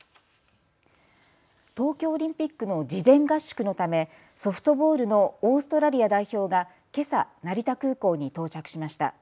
東京オリンピックの事前合宿のためソフトボールのオーストラリア代表がけさ、成田空港に到着しました。